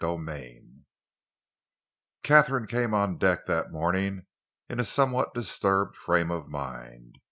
CHAPTER XI Katharine came on deck that morning in a somewhat disturbed frame of mind.